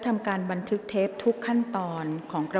กรรมการท่านที่สามได้แก่กรรมการใหม่เลขหนึ่งค่ะ